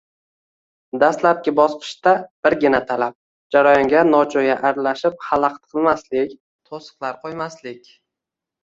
Dastlabki bosqichda birgina talab – jarayonga nojo‘ya aralashib xalaqit qilmaslik, to‘siqlar qo‘ymaslik.